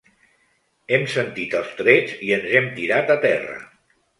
Hem sentit els trets i ens hem tirat a terra.